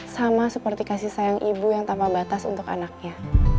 sama seperti kasih sayang ibu yang tanpa batas untuk anaknya